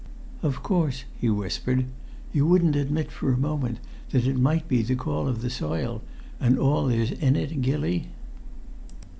"Of course," he whispered, "you wouldn't admit for a moment that it might be the call of the soil, and all there's in it, Gilly?"